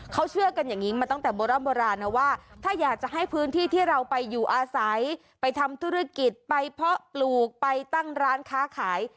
เขาเชื่อกันอย่างนี้มาตั้งแต่โบราณโบราณนะว่าถ้าอยากจะให้พื้นที่ที่เราไปอยู่อาศัยไปทำธุรกิจไปเพาะปลูกไปตั้งร้านค้าขาย